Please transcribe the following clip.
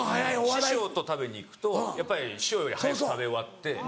師匠と食べに行くとやっぱり師匠より早く食べ終わって。